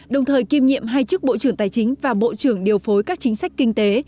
đồng thời kiêm nhiệm hai chức bộ trưởng tài chính và bộ trưởng điều phối các chính sách kinh tế